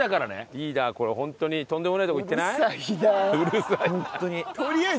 リーダーこれホントにとんでもないとこ行ってない？